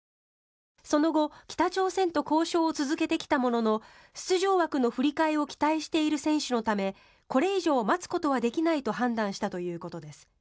その後、北朝鮮と交渉を続けてきたものの出場枠の振り替えを期待している選手のためこれ以上待つことはできないと判断したということです。